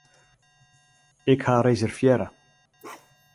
Ik ha reservearre.